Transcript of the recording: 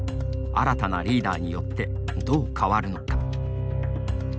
新たなリーダーによってどう変わるのか。